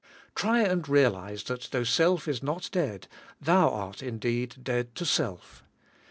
Try and realize that though self is not dead, thou art indeed dead to self.